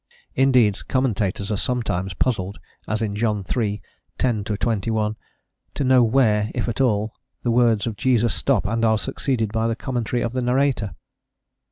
Indeed, commentators are sometimes puzzled, as in John iii. 10 21, to know where, if at all, the words of Jesus stop and are succeeded by the commentary of the narrator.